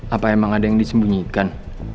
apa emang ada yang disembunyikan